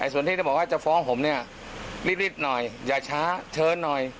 ส่วนที่จะบอกว่าจะฟ้องผมเนี่ยรีบหน่อยอย่าช้าเชิญหน่อย